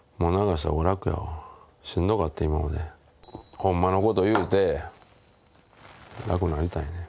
ホンマのこと言うて楽になりたいねん。